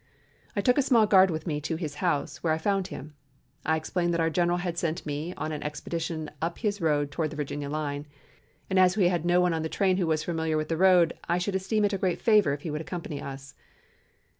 I took a small guard with me to his house, where I found him. I explained that our general had sent me on an expedition up his road toward the Virginia line, and as we had no one on the train who was familiar with the road, I should esteem it a great favor if he would accompany us.